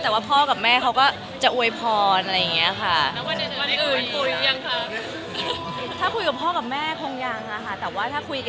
แต่ว่าได้ติดภาระกิจหน้าที่เรื่องงานอะไรก็ด้วยค่ะ